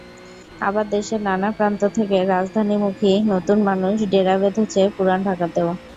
আবার দেশের নানা প্রান্ত থেকে রাজধানীমুখী নতুন মানুষ ডেরা বেঁধেছে পুরান ঢাকাতেও।